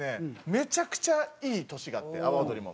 めちゃくちゃいい年があって阿波おどりも。